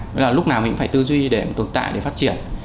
nghĩa là lúc nào mình cũng phải tư duy để tồn tại để phát triển